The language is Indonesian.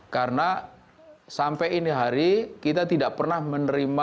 karena sampai ini hari kita tidak pernah menerima